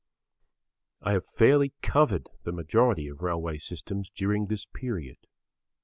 I have fairly covered the majority of railway systems during this period.